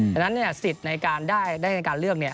เพราะฉะนั้นสิทธิ์ในการได้ในการเลือก